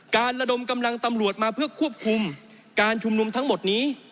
ระดมกำลังตำรวจมาเพื่อควบคุมการชุมนุมทั้งหมดนี้